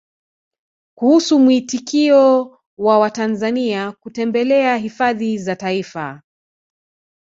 Kuhusu muitikio wa Watanzania kutembelea Hifadhi za Taifa